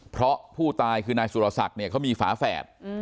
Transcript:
เพราะผู้ตายคือนายสุรศักดิ์เนี่ยเขามีฝาแฝด